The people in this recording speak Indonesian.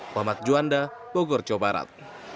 muhammad juanda bogor jawa barat